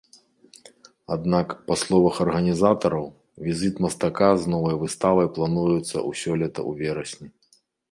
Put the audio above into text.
Аднак, па словах арганізатараў, візіт мастака з новай выставай плануецца ў сёлета ў верасні.